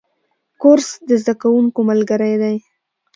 کورس د زده کوونکو ملګری دی.